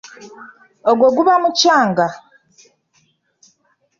Ogwo guba mucanga.